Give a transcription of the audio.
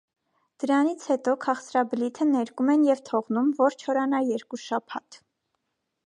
Դրանից հետո, քաղցրաբլիթը ներկում են և թողնում, որ չորանա երկու շաբաթ։